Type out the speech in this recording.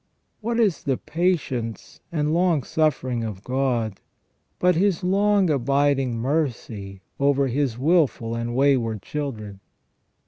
What is the patience and long suffering of God but His long abiding mercy over His wilful and wayward children